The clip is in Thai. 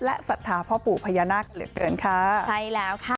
และศรัทธาพ่อปู่พญานาคเหลือเกินค่ะ